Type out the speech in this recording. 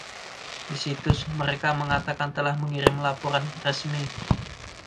Di situs, mereka mengatakan telah mengirim laporan resmi.